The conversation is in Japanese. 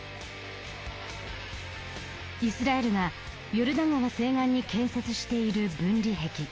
イスラエルがヨルダン川西岸に建設している分離壁。